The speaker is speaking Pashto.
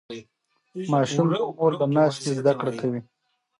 ماشوم د مور له ناستې زده کړه کوي.